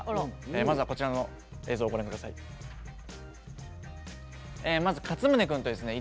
まずはこちらの映像をご覧ください。